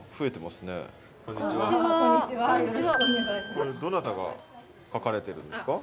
これどなたが書かれてるんですか？